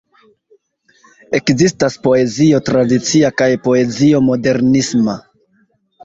Ekzistas poezio tradicia kaj poezio modernisma.